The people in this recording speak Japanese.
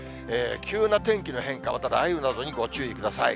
急な天気の変化、また雷雨などにご注意ください。